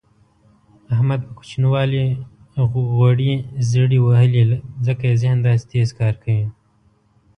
احمد په کوچینوالي غوړې زېړې وهلي ځکه یې ذهن داسې تېز کار کوي.